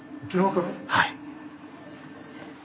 はい。